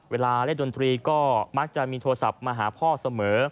เวลาเล่นดนตรีก็มักจะมีโทรศัพท์มาหาพ่อเสมอ